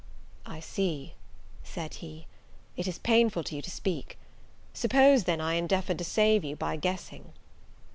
"I see," said he, "it is painful to you to speak: suppose, then, I endeavour to save you by guessing?"